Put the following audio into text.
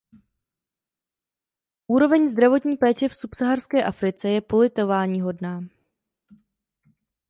Úroveň zdravotní péče v subsaharské Africe je politováníhodná.